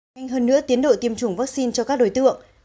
nhanh hơn nữa tiến độ tiêm chủng vaccine cho các đối tượng